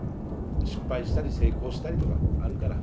失敗したり成功したりとかあるから。